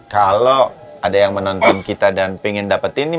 kalau ada yang menonton kita dan pengen dapat ini